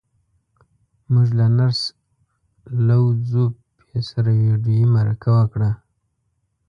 موږ له نرس لو ځو پي سره ويډيويي مرکه وکړه.